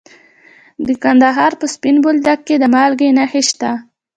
د کندهار په سپین بولدک کې د مالګې نښې شته.